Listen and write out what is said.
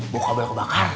bawa kabel kebakar